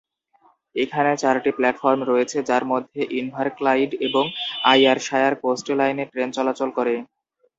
এখানে চারটি প্ল্যাটফর্ম রয়েছে, যার মধ্যে ইনভারক্লাইড এবং আইয়ারশায়ার কোস্ট লাইনে ট্রেন চলাচল করে।